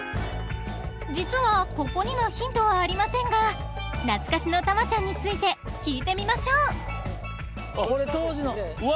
実はここにはヒントはありませんが懐かしのタマちゃんについて聞いてみましょうこれ当時の。わ！